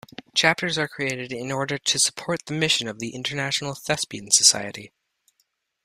Chapters are created in order to support the mission of the International Thespian Society.